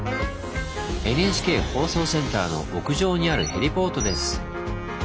ＮＨＫ放送センターの屋上にあるヘリポートです。